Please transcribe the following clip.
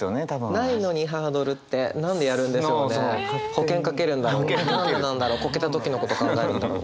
保険かけるんだろう何でなんだろう？コケた時のこと考えるんだろう？